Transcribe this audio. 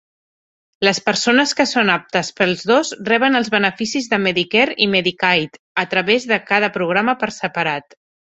Les persones que són aptes per als dos reben els beneficis de Medicare i Medicaid a través de cada programa per separat.